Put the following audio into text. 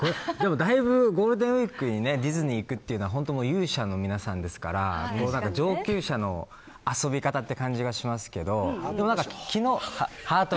ゴールデンウイークにディズニー行くというのは勇者の皆さんですから上級者の遊び方という感じがしますが。